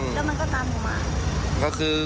มันก็เลยขับมาตามหนูไง